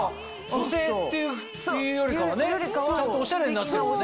補整っていうよりかはねちゃんとオシャレになってるんだね。